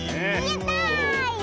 やった！